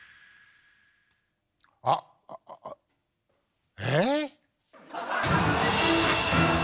あっえぇっ⁉